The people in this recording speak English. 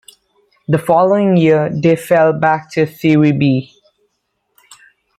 The following year, they fell back to Serie B.